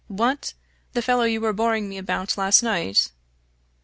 What, the fellow you were boring me about last night?"